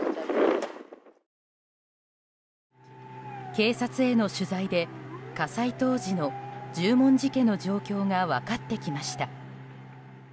警察への取材で火災当時の十文字家の状況が分かってきました。